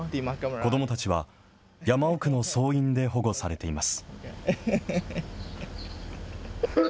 子どもたちは山奥の僧院で保護されています。